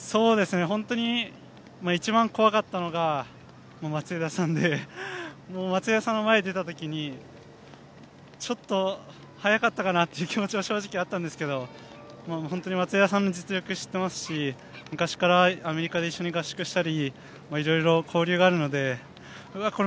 ホントに一番怖かったのが松枝さんで、松枝さんの前に出たときに、ちょっと早かったかなという気持ちは正直あったんですけど本当に松枝さんの実力を知っていますし、昔からアメリカで一緒に合宿したり交流があるのでうわ